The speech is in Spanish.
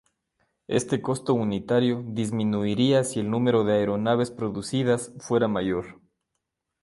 Este costo unitario disminuiría si el número de aeronaves producidas fuera mayor.